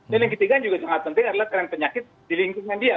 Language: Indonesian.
dan yang ketiga juga sangat penting adalah tren penyakit di lingkungan dia